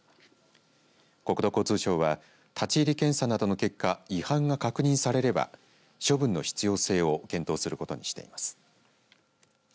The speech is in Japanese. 国土交通省は立ち入り検査などの結果違反が確認されれば処分の必要性を検討することにしています。